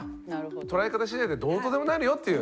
捉え方しだいでどうとでもなるよっていう。